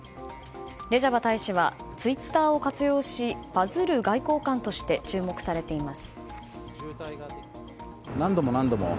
レジャバ大使はツイッターを活用しバズる外交官として注目されています。